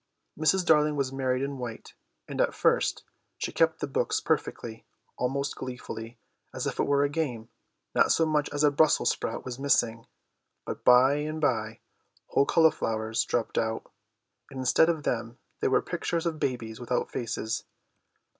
Mrs. Darling was married in white, and at first she kept the books perfectly, almost gleefully, as if it were a game, not so much as a Brussels sprout was missing; but by and by whole cauliflowers dropped out, and instead of them there were pictures of babies without faces.